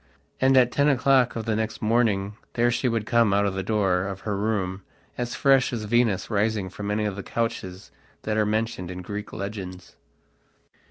And at ten o'clock of the next morning there she would come out the door of her room as fresh as Venus rising from any of the couches that are mentioned in Greek legends.